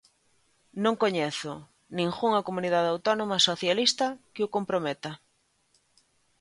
Non coñezo ningunha comunidade autónoma socialista que o comprometa.